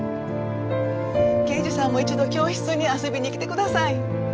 刑事さんも一度教室に遊びに来てください。